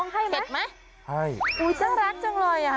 เจ้ารักจังเลย